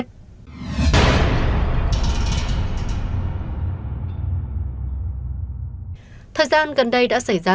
thời gian gần đây đã xảy ra rất nhiều vụ việc liên quan đến hành vi cuối dối tại những nơi công cộng